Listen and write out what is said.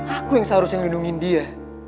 aku yang seharusnya melindungi dia